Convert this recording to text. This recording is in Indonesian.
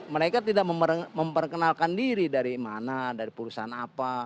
mereka tidak memperkenalkan diri dari mana dari perusahaan apa